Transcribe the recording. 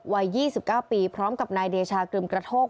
วัย๒๙ปีพร้อมกับนายเดชากรึมกระโทก